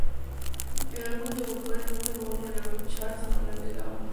El álbum debutó en el número uno en el Álbum Chart semanal de Gaon.